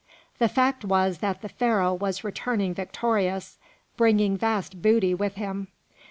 The fact was that the Pharaoh was returning victorious, bringing vast booty with him.